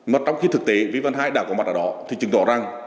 mà trong khi thực tế vi văn hai đã có mặt ở đó